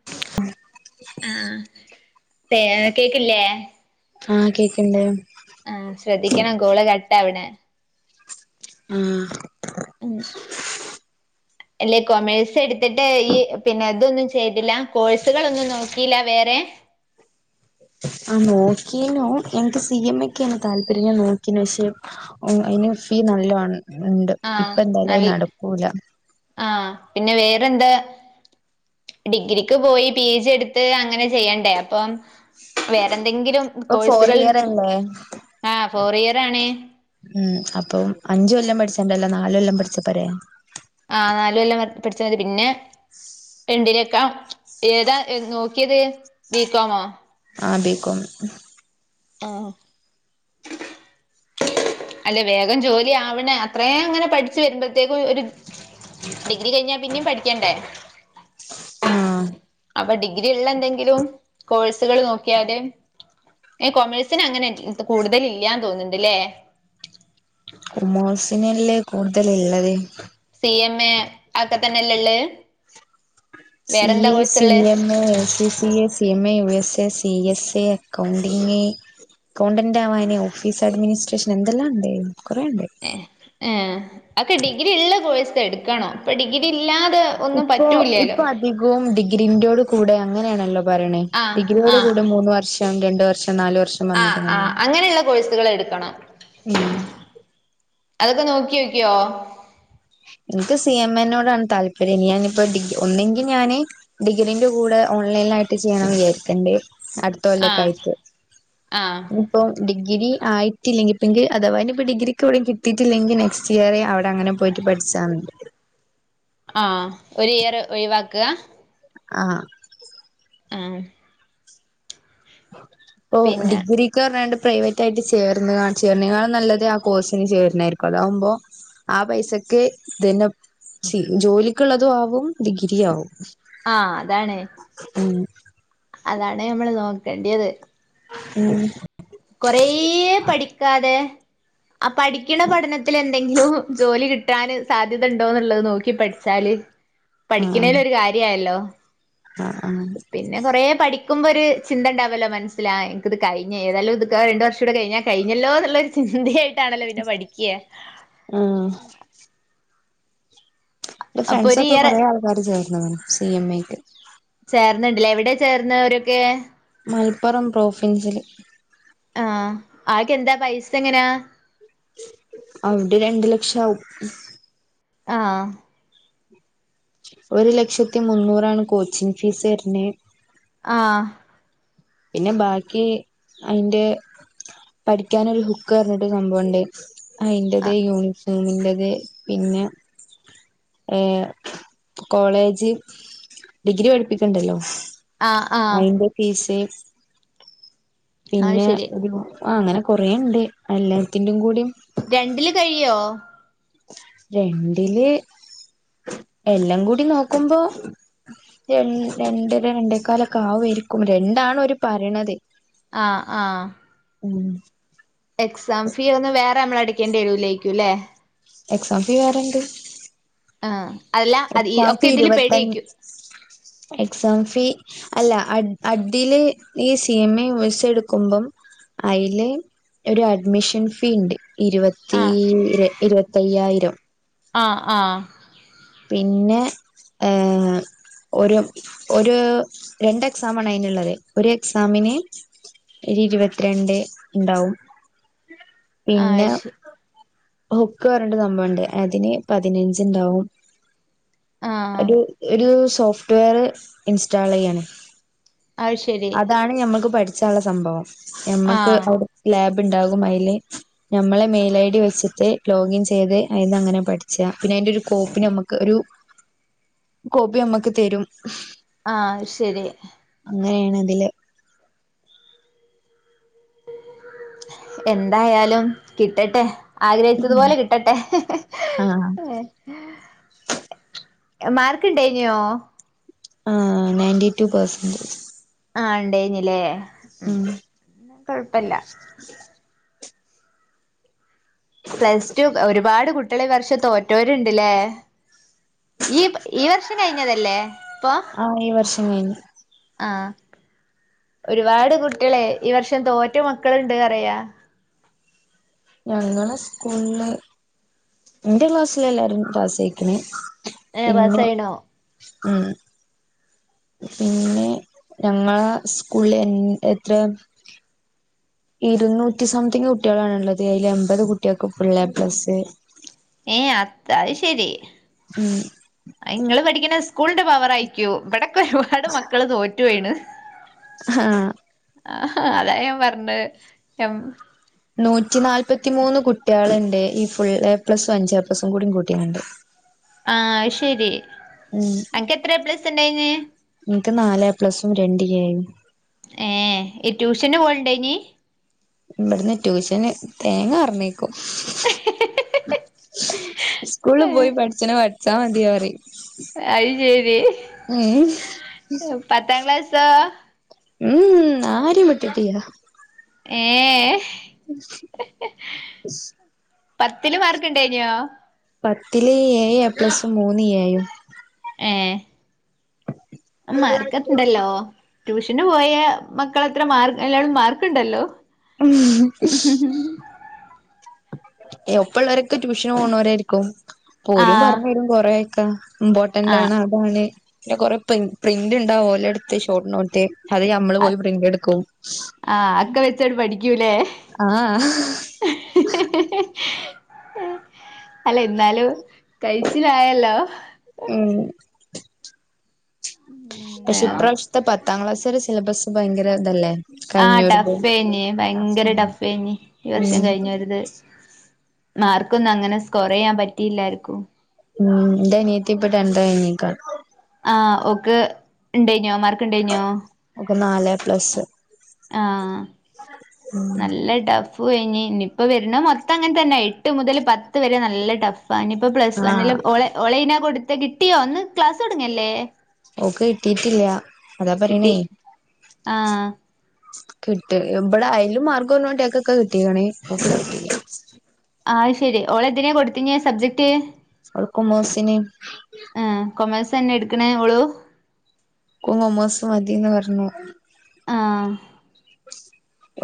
[inaudible] ആഹ് ആഹ് പേ കേക്ക്ല്ലേ ആഹ് കേക്ക്ണ്ട് ആഹ് ശ്രെദ്ധിക്കണം കോള് കട്ടാവ്ണെ ആഹ് ഉം അല്ലെ കൊമേഴ്സ് എടുത്തിട്ട് ഈ പിന്നെ ഇതൊന്നും ചെയ്തില്ല കോഴ്സുകളൊന്നും നോക്കില്ല വേറെ ആഹ് നോക്കീനു എനക്ക് സി എം എ ക്കാണ് താല്പര്യം ഞാൻ നോക്കീനു പക്ഷെ ഉം ഇന് ഫീ നല്ലണം ഉണ്ട് ആഹ് ഇപ്പന്തായാലും അത് നൽ നടക്കൂല ആഹ് പിന്നെ വേറെന്ത് ഡിഗ്രിക്ക് പോയി പി ജി എടുത്ത് അങ്ങനെ ചെയ്യണ്ടേ അപ്പം വേറെന്തെങ്കിലും ഇപ്പൊ ഫോർ കോഴ്സുകൾ ഇയർ അല്ലേ ആ ഫോർ ഇയർ ആണേ ഉം അപ്പം അഞ്ച് കൊല്ലം പഠിച്ചണ്ടല്ലോ നാല് കൊല്ലം പഠിച്ച പോരെ ആഹ് നാല് കൊല്ലം പടിച്ചാ മതി പിന്നെ [inaudible] രണ്ടിലേക്കാ ഏതാ എ നോക്കിയത് ബീക്കോമോ ആഹ് ബീക്കോം ആഹ് [unintelligible] അല്ലെ വേഗം ജോലി ആവണ അത്രയും അങ്ങനെ പഠിച്ചു വരുമ്പോഴ്ത്തേക്കും ഇവര് ഡിഗ്രി കഴിഞ്ഞാ പിന്നിം പഠിക്കണ്ടേ ആഹ് അപ്പൊ ഡിഗ്രിയുള്ള എന്തെങ്കിലും കോഴ്സുകള് നോക്കിയാല് ഏ കൊമേഴ്സിനങ്ങനെ റ്റിദ് കൂടുതലില്ലാന്ന് തോന്നുന്നുണ്ടല്ലേ കൊമോഴ്സിനല്ലേ കൂടുതലിള്ളത് സി എം എ അതക്കെ തന്നെല്ള്ള് സി എ സി ഉള്ളേ M A A C C C A C M A U S A C S A accounting accountant ആവാന് ഓഫീസ് അഡ്മിനിസ്ട്രേഷൻ എന്തെല്ലാണ്ട് കുറെണ്ട് എഹ് ഏ അക്കെ ഡിഗ്രിയുള്ള കോഴ്സ് എടുക്കണോ ഇപ്പൊ ഡിഗ്രി ഇല്ലാതെ ഒന്നും പറ്റൂല്ലല്ലോ കവും ഡിഗ്രീൻ്റോടു കൂടെ അങ്ങനെയാണല്ലോ പറയണേ ആ ആ ഡിഗ്രിയോട് കൂടെ മൂന്ന് വർഷം രണ്ട് വർഷം നാല് വർഷം പറഞ്ഞിട്ട് ആഹ് അങ്ങനെ ആഹ് അങ്ങനെയുള്ള കോഴ്സുകളെടുക്കണം ഉം അതൊക്കെ നോക്കിയോക്കിയോ എനിക്ക് സി എം എ നോടാണ് താല്പര്യം ഇനി ഞാനിപ്പോ ഡിഗ് ഒന്നിങ്കിൽ ഞാന് ഡിഗ്രിന്റെകൂടെ ഓൺലൈനിലായിട്ട് ചെയ്യണം വിചാരിക്കണ്ട് അടു ആ [unintelligible] ആ ഇപ്പം ഡിഗ്രിആയിട്ടില്ലെങ്കിപ്പനിക്ക് അഥവാ ഇനിപ്പ ഡിഗ്രിക്കിവിടെ കിട്ടിട്ടില്ലെങ്കിൽ നെക്‌സ്റ്റ് ഇയറെ അവിടങ്ങനെ പോയിട്ട് പഠിച്ചാ ആഹ് ഒരു ഇയർ ഒഴിവാക്ക്ക ആഹ് അഹ് ഇപ്പൊ പിന്നെ ഡിഗ്രി ഒക്കെ പറഞ്ഞാണ്ട് പ്രൈവറ്റ് ആയിട്ട് ചേർന്ന് ചേർന്നങ്ങാനും നല്ലത് ആ കോഴ്സിന് ചേരുന്നതായിരിക്കും അതാവുമ്പോ ആ പൈസക്ക് ഇതന്നെപ് ചീ ജോലിക്കുള്ളതും ആവും ഡിഗ്രിയു ആവും ആഹ് അതാണ് ഉം അതാണ് നമ്മള് നോക്കണ്ടിയത് ഉം കൊറേയ് പഠിക്കാതെ ആ ഹ് പഠിക്കണ പഠനത്തിലെന്തെങ്കിലും ജോലി കിട് കിട്ടാന് സാധ്യത ഉണ്ടോന്നുള്ളത് നോക്കി പഠിച്ചാല് ആഹ് പഠിക്കുന്നേല് ഒരു കാര്യയല്ലോ ആഹ് ആഹ് [unintelligible] പിന്നെ കുറേ പഠിക്കുമ്പോ ഒരു ചിന്ത ഉണ്ടാവല്ലോ മനസ്സില് ആഹ് എനിക്ക് ഇത് കഴിഞ്ഞ് ഏതായാലും ഇത് രണ്ട് വർഷുടെ കഴിഞ്ഞാ കഴിഞ്ഞല്ലോന്നുള്ളരു ചിന്തയായിട്ടാണല്ലോ പിന്നെ പഠിക്യാ ഉം എന്റെ അപ്പൊ ഫ്രണ്ട്സ് ഒരു ഒക്കെ ഇയർ കൊറേ ആൾക്കാര് ചേർന്നതാണ് സി എം എ ക്ക് ചേർന്നണ്ടില്ലേ എവടെയാ ചേർന്നേ അവരൊക്കെ. മലപ്പുറം പ്രോഫിൻസില് ആ ആക്കെന്താ പൈസ എങ്ങനാ? അവിടെ രണ്ടു ലക്ഷം ആവും ആഹ് ഒരു ലക്ഷത്തി മുന്നൂറാണ് കോച്ചിങ് ഫീസ് വര്ണേ ആഹ് പിന്നെ ബാക്കി അയിന്റെ പഠിക്കാനൊരു ഹുക്ക് പറഞ്ഞിട്ട് സംഭവൊണ്ടായി. അയിന്റത് യൂണിഫോമിന്റത് പിന്നാ ഏഹ് കോളേജ് ഡിഗ്രി പഠിപ്പിക്കണ്ടല്ലോ. ആഹ് ആഹ് അയിന്റെ ഫീസ് അത് പിന്നെ ശരി ഒരു അങ്ങനെ കൊറേയുണ്ട്. എല്ലാത്തിന്റെയും കൂടിയും രണ്ടില് കഴിയോ? രണ്ടില് എല്ലാം കൂടി നോക്കുമ്പോ രണ്ട് രണ്ടര രണ്ടേക്കാലൊക്കെ ആവുവായിരിക്കും രണ്ടാണ് ഓരു പറയണത്. ആഹ് ആഹ് ഉം എക്സാം ഫീ ഒന്നും വേറെ നമ്മള് അടക്കേണ്ടിവരൂലായിക്കുംലേ? എക്സാം ഫീ വേറെയുണ്ട് ആ അതെല്ലാം അതി ഒക്കെ ഫീ ഇതില് ഇരുപത്തഞ് പെടുവായിരിക്കും. എക്സാം ഫീ അല്ല അ അഡ്ഡില് ഈ C. M. A U. S. A ഇട്ക്കുമ്പം അയില് ഒരു അഡ്മിഷൻ ഫീ ഇണ്ട് ഇരുപത്തി ആഹ് തീ ഇരുപത്തയ്യായിരം. ആഹ് ആഹ് പിന്നെ ഏഹ് ഒരു ഒരു രണ്ട് എക്സാമാണതിനുള്ളത് ഒരു എക്സാമിന് ഒരു ഇരുപത്തിരണ്ട് ഇണ്ടാവും ആ പിന്നെ ശരി ഹുക്ക് പറഞ്ഞോണ്ട് സംഭവുണ്ട് അതിന് പതിനഞ്ച് ഇണ്ടാവും ആഹ് ഒരു ഒരു സോഫ്റ്റ്‌വെയർ ഇൻസ്റ്റാൾ ചെയ്യാണ്. ആഴ്ശ അതാണ് ഞമ്മക്ക് പഠിച്ചാനുള്ള സംഭവം. ഞമ്മക്ക് ആഹ് അവിടെ ലാബ് ഉണ്ടാകും അതില് ഞമ്മളെ മെയിൽ ഐ ഡി വെച്ചിട്ട് ലോഗിൻ ചെയ്ത് അതിന്ന് അങ്ങനെ പഠിച്ച പിന്നെ അതിന്റെ ഒരു കോപ്പി നമുക്ക് ഒരു കോപ്പി നമ്മുക്ക് തരും ആ ഹ്ശരി. അങ്ങനെയാണ് ഇതില് എന്തായാലും കിട്ടട്ടെ. ആഗ്രഹിച്ചതുപോലെ കിട്ടട്ടെ. ആഹ് ഉം മാർക്കുണ്ടായിനോ? ആ നയന്റ്റി ടു പെർസെന്റേജ് ആഹ് ഉണ്ടായിഞ്ഞില്ലേ ഉം പിന്ന കൊഴപ്പില്ല പ്ലസ് ടു ഒരുപാട് കുട്ടികളി വർഷ തോറ്റോരുണ്ടില്ലേ ഈ ഈ വർഷം കഴിഞ്ഞതല്ലേ ഇപ്പൊ ആഹ്. ഈ വർഷംകഴിഞ്ഞ്. ആഹ് ഒരുപാട് കുട്ടിളെ ഈ വർഷം തോറ്റ മക്കള്ണ്ട് പറയാ. ഞങ്ങളെ സ്കൂളള് ഇന്റെ ക്ലാസില് എല്ലാരും പാസായിക്ക്ണ്. ഏഹ് പിന്നെ? പാസ്സായിണോ ഉം. പിന്നെ. ഞങ്ങളാ സ്കൂള്ള് എൻ എത്രെ ഇരുന്നൂറ്റി സംതിങ്ങ് കുട്ടികളാണ്ള്ളത് അയില് എൺമ്പത് കുട്ട്യേൾക്ക് ഫുള്ള് എപ്ലസ്സ്. ഏ, അത അയ് ശരി. ഉം. അയിങ്ങള് പഠിക്ക്ണ സ്കൂൾന്റെ പവർ ആയിരിക്കും. ഇവിടൊക്കെ [unintelligible] ഒരുപാട് മക്കള് തോറ്റ് വീണ്. [unintelligible] ആഹ, അതാ ഞാൻ പറഞ്ഞയ് എം. നൂറ്റി നാല്പ്പത്തിമൂന്ന് കുട്ട്യേള്ണ്ട്. ഈ ഫുൾ എ പ്ലസും അഞ്ച് എ പ്ലസും കൂടി കൂട്ടി കാണ്ട്. ആ അയ് ശരി. ഉം, ഇൻക്ക് നാല് എ പ്ലസും രണ്ട് എയും. ഏ ഈ ട്യൂഷന് പോല്ണ്ടായിനി. ഇവിട്ന്ന് ട്യൂഷന് തേങ്ങ പർഞ്ഞയ് കൊ [inaudible] ഇസ്കൂൾള് പോയി പഠിച്ച്ണ പഠിച്ചാ മതി അറിം. അത് ശരി ഉം [unintelligible] പത്താം ക്ലാസോ. [unintelligible] ആരിം വിട്ടിട്ടില്ല. [unintelligible] പത്തില് മാർക്ക് ണ്ടായി ന്യോ പത്തില് ഏഴ് എ പ്ലസും മൂന്ന് എയും ഏ [unintelligible] മാർക്ക് ഒക്കെണ്ടല്ലോ. ട്യൂഷന് പോയ മക്കളത്ര മാർക്ക് എല്ല [unintelligible] മാർക്ക്ണ്ടല്ലോ. [unintelligible] ഏ, ഒപ്പ ഉള്ളരൊക്കെ ട്യൂഷന് പോണോരായിരിക്കും ആ ഓരും പറന്നെരും കൊറെയൊക്കെ. ആ ഇമ്പോട്ടന്റാണ് അതാണ് പിന്നെ കൊറെ പ്രിൻ പ്രിന്റ് ണ്ടാവും ഓലെട്ത്ത്. Short note. അത് നമ്മള് പോയി പ്രിന്റ് എടുക്കും. ആ, അക്കെ വെച്ചാണ്ട് പഠിക്കൂലേ. ആഹ് [unintelligible] [unintelligible] അല്ല ഇന്നാലും കഴിച്ചിലായല്ലോ. [unintelligible] പക്ഷെ ഇപ്രാവശ്യത്തെ പത്താം ക്ലാസാരെ സിലബസ് ഭയങ്കര തല്ലേ. ആ ടഫ് ഏനി. ഭയങ്കര ടഫ് ഏനി ഈ ഉം വർഷം കഴിഞ്ഞോരത്. മാർക്ക് ഒന്നും അങ്ങനെ സ്കോറെയ്യാൻ പറ്റിയില്ല ആർക്കും. ഉം, ഇന്റനിയത്തിപ്പ ടെൻത് കഴഞ്ഞിക്ക. ആ ഓക്ക് ഇണ്ടയ്ന്യോ? മാർക്ക്ണ്ടയ്ന്യോ? ഓക്ക് നാല് എ പ്ലസ്. ആ, നല്ല ടഫ് പ്പൊ ഴിഞ്ഞ്. ഇന്നിപ്പോ വര്ണെ മൊത്തം അങ്ങൻ തന്നെ. എട്ട് മുതല് പത്ത് വരെ നല്ല ടഫ്. പൈനിപ്പോ പ്ലസ് വണ്ണില് ആഹ് ഓള് ഓളൈനാ കൊടുത്തെ കിട്ടിയോ ഇന്ന് ക്ലാസ് തൊടങ്ങല്ലേ. ഓക്ക് കിട്ടീട്ടില്ല. അതാ പറീണേ. കിട്ടി ആഹ് കിട്ട് [unintelligible] ഇബടെ അയിലും മാർക്ക് കൊറഞ്ഞ കുട്ട്യേക്കൊക്കെ കിട്ടീക്ണ് [unintelligible] ആഹ് ശെരി. ഓള് എന്തിനെ കൊട്ത്തിനെ സബ്ജക്ട്. സ്കൂൾക്കും മുഹ്സിനിം ആ, കൊമേഴ്സന്നെ എട്ക്കണേ ഓളും. [unintelligible] കൊമോഴ്സ് മതിന്ന പറഞ്ഞു. ആ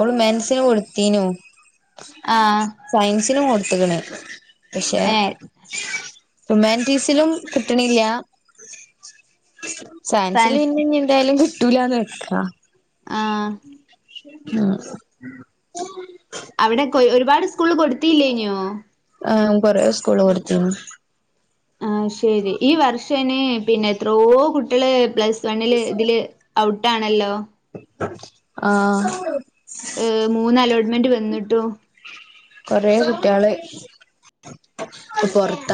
ഓള് മൻസിന് കൊട്ത്തീനു. ആഹ് സയൻസിനും കൊട്ത്ത്ക്ക്ണ് പക്ഷെ? ഏഹ് ഹ്യൂമാൻറ്റിസിലും കിട്ട്ണില്ല? സയൻസിൽ സയൻസ് പിന്നെ ഇനി എന്തായാലും കിട്ടൂലാന്ന് വെക്കാ. ആഹ് ഉം. അവിടൊക്കെ ഒരുപാട് സ്കൂളിലൊക്കെ കൊട്ത്തില്ലേന്യോ? ആഹ് കൊറേ സ്കൂള് കൊട്ത്തീണ് അഹ്ശെരി. ഈ വർഷയ്ന് പിന്നെ എത്രോ കുട്ട്യള് പ്ലസ് വണ്ണില് തില് ഔട്ടാണല്ലോ... ആഹ് അ്... മൂന്നലോട്ട്മെന്റ് വന്നിട്ടും കൊറേ കുട്ട്യാള് പ്പ പൊർത്ത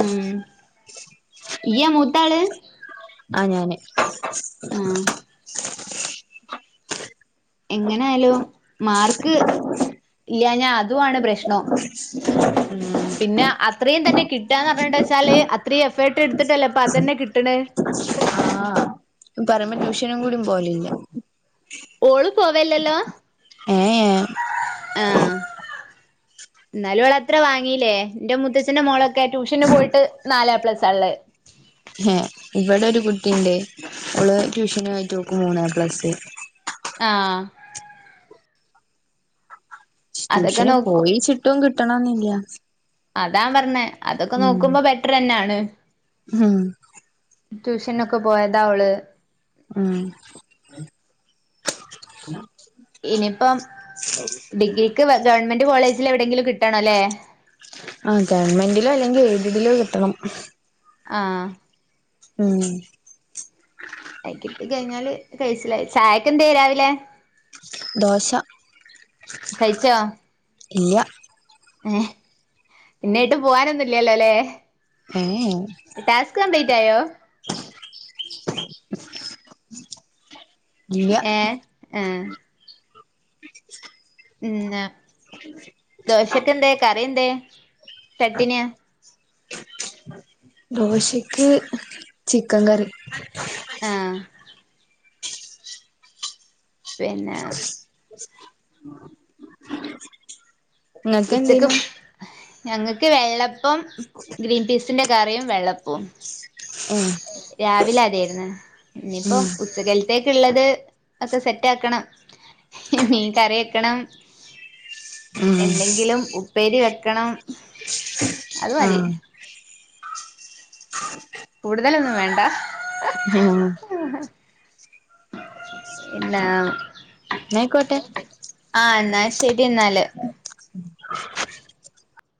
ഉം.. ഇയ്യ മൂത്താള് ആ... ഞാന് ആഹ് എങ്ങനായാലും മാർക്ക് ഇല്ലാഞ്ഞാ അതുആണ് പ്രശ്നം ഉം [inaudible] പിന്നെ അത്രീം തന്നെ കിട്ടാന്നർഞ്ഞണ്ടച്ചാല് അത്രീം എഫേർട്ട് ട്ത്തിട്ടല്ലേ ഇപ്പ അതന്നെ കിട്ടണ് ആ [inaudible] പറ്യുമ്പോ ട്യൂഷനും കൂടി പോവലില്യ ഓളും പോവെല്ലല്ലോ ഏ.. ഏ.. ആ ന്നാലു ഓളത്ര വാങ്ങീലേ.. ന്റെ മൂത്തച്ഛന്റെ മോളൊക് ക്കെ ട്യൂഷന് പോയിട്ട് നാല് എ പ്ലസാള്ളേ ഹെ ഇവടെ ഒരു കുട്ടിണ്ട്. ഓള് ട്യൂഷന് പോയിട്ട് ഓക്ക് മൂന്ന് എ പ്ലസ് ആഹ് അതൊക്കെ ട്യൂഷന് നോക്കും പോയിച്ചിട്ടും കിട്ടണെന്നില്യ അതാംപറഞ്ഞേ.. അതൊക്കെ നോക്കുമ്പോ ബെറ്ററന്നാണ് ഹ്‌മ്... ട്യൂഷന് ഒക്കെ പോയതാ ഓള് ഉം ഇനിയിപ്പം ഡിഗ്രിക്ക് വ ഗവൺമെന്റ് കോളേജിൽ എവിടെങ്കിലും കിട്ടണം ല്ലേ? ആ ഗവൺമെന്റിലോ അല്ലെങ്കിൽ എയ്ഡഡിലോ കിട്ടണം ആഹ് ഉം... കിട്ടി കയ്ഞ്ഞാല് കയ്ച്ചിലായി. ചായക്ക് എന്തേ രാവിലെ? ദോശ ഇല്യ ഏ പിന്നെ ഏട്ടും പോവാനൊന്നുല്യല്ലോ ലേ ഏ എ ടാസ്ക് കംപ്ലീറ്റായോ? [inaudible] ഇല്ല ആ ഇന്ന് ദോശക്കെന്തേ കറി എന്തേ? ചട്ടിനിയാ [inaudible] ദോശയ്ക്ക്, ചിക്കൻ കറി ആഹ് പിന്നെ നിങ്ങക്ക് ഉച്ചക്ക് എന്തേനു ഞങ്ങക്ക് വെള്ളപ്പം, ഗ്രീൻ പീസ് ത്തിന്റെ കറിയും വെള്ളപ്പവും ഉം... രാവിലെ അതേര്ന്ന് നിപ്പം ഉം ഉച്ചക്കൽത്തേക്ക്ള്ളത് ഒക്കെ സെറ്റാക്കണം മീൻ കറ്യക്കണം ഉം എന്തെങ്കിലും ഉപ്പേരി വെക്കണം. അത് ആ മതി [inaudible] കൂടുതലൊന്നും വേണ്ട ഉം അല്ലാ ന്നായിക്കോട്ടെ ആഹ് ന്നാ ശെരി എന്നാല് [inaudible]